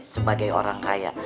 sebagai orang kaya